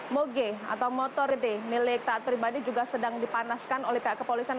moge atau motor d milik taat pribadi juga sedang dipanaskan oleh pihak kepolisian